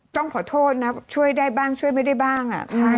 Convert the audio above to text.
ต้องขอโทษนะช่วยได้บ้างช่วยไม่ได้บ้าง